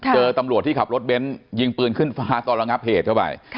ตำรวจที่ขับรถเบ้นยิงปืนขึ้นฟ้าตอนระงับเหตุเข้าไป